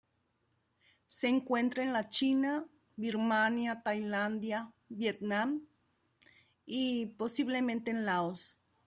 Se encuentra en la China, Birmania, Tailandia, Vietnam y, posiblemente en Laos.